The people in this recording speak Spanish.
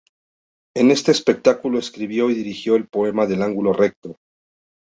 En este espectáculo, escribió y dirigió El poema del ángulo recto.